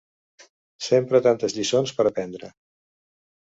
Sempre tantes lliçons per aprendre!